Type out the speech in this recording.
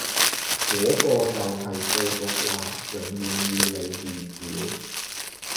嗰個就系稅局啦，永遠要你預繳。